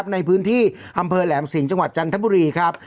ในพื้นที่อำเภอแหลมสิงห์จังหวัดจันทบุรีครับ